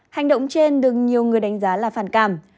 hành động trên được nhiều người đánh giá là phản cảm